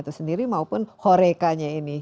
itu sendiri maupun horekanya ini